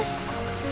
terima kasih mama